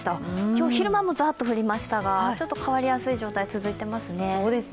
今日、昼間もザッと降りましたが、ちょっと変わりやすい状態が続いていますね。